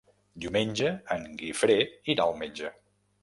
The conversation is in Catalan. Diumenge en Guifré irà al metge.